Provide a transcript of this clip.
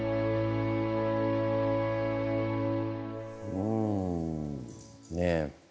うん。ねえ。